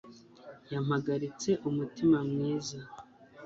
yampagaritse umutima mwiza